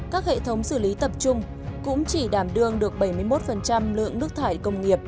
các hệ thống xử lý tập trung cũng chỉ đảm đương được bảy mươi một lượng nước thải công nghiệp